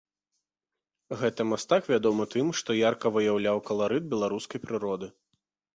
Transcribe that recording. Гэты мастак вядомы тым, што ярка выяўляў каларыт беларускай прыроды.